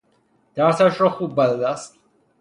درسش را خوب بلد است.